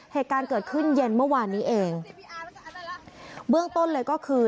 เหตุการณ์เกิดขึ้นเย็นเมื่อวานนี้เองเบื้องต้นเลยก็คือ